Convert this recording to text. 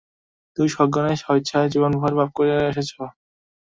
তুমি সজ্ঞানে স্বইচ্ছায় জীবনভর পাপ করে এসেছ!